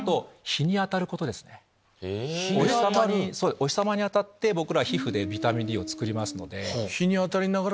お日さまに当たって僕ら皮膚でビタミンＤを作りますので。